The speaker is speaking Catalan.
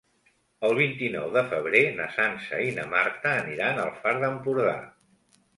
El vint-i-nou de febrer na Sança i na Marta aniran al Far d'Empordà.